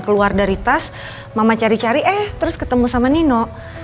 keluar dari tas mama cari cari eh terus ketemu sama nino